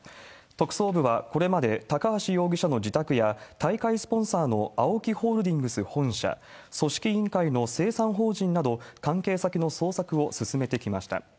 特捜部はこれまで、高橋容疑者の自宅や、大会スポンサーのＡＯＫＩホールディングス本社、組織委員会の清算法人など、関係先の捜索を進めてきました。